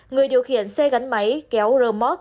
người điều khiển xe gắn máy kéo rơ móc